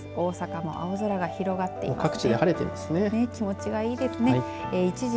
大阪も青空が広がっています。